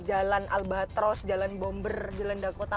jalan albatros jalan bomber jalan dakota